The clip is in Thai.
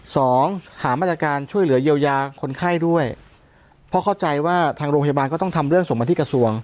สองหามาตรการช่วยเหลือเยียวยาคนไข้ด้วยเพราะเข้าใจว่าทางโรงพยาบาลก็ต้องทำเรื่องส่งมาที่กระทรวง